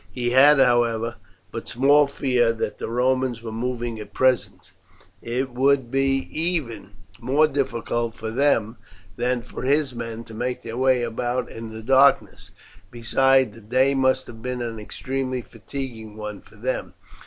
He had, however, but small fear that the Romans were moving at present. It would be even more difficult for them than for his men to make their way about in the darkness; besides, the day must have been an extremely fatiguing one for them.